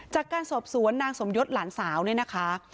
จากการสอบสวนนางสมยศหลานสาวเนี่ยนะคะ